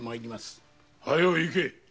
早う行け！